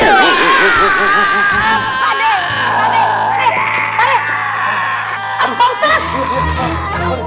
tadi tadi tadi